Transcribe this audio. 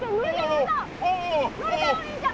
乗れたお兄ちゃん！